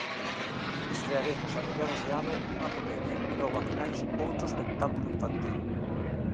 Estrearemos a mediados de ano unha comedia e logo a finais outro espectáculo infantil.